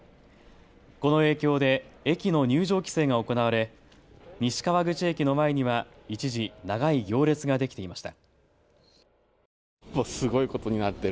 この影響で駅の入場規制が行われ西川口駅の前には一時、長い行列ができていました。